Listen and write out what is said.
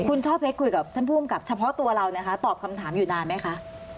คุณช่อเพชรคุยกับท่านผู้อำกับเฉพาะตัวเรานะคะตอบคำถามอยู่นานไหมคะ